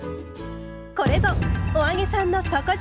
これぞ「“お揚げさん”の底力！」。